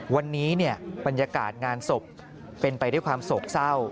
วันนี้บรรยากาศงานศพเป็นไปด้วยความโศกเศร้า